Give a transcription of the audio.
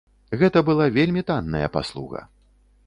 Гэта была вельмі танная паслуга.